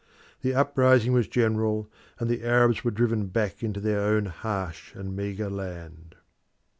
The uprising was general, and the Arabs were driven back into their own harsh and meagre land.